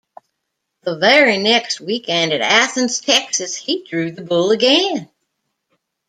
The very next weekend at Athens, Texas, he drew the bull again.